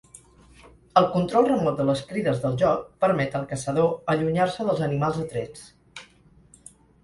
El control remot de les crides del joc permet al caçador allunyar-se dels animals atrets.